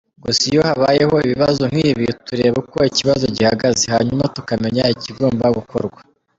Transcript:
Gusa iyo habayeho ibibazo nk’ibi tureba uko ikibazo gihagaze , hanyuma tukamenya ikigomba gukorwa”.